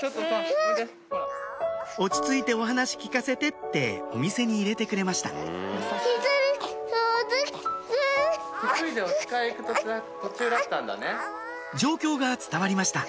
「落ち着いてお話聞かせて」ってお店に入れてくれました状況が伝わりました